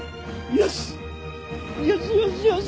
よしよしよしよし！